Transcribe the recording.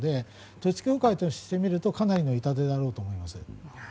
統一教会からしてみるとかなりの痛手だろうと思います。